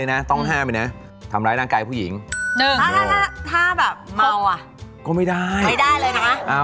ไม่ได้เลยนะไม่ใช่คุณผู้หญิงหลายคนชอบใจอ่อนเอ้า